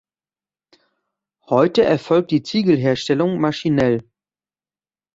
Heute erfolgt die Ziegelherstellung maschinell.